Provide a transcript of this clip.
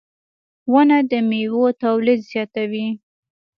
• ونه د میوو تولید زیاتوي.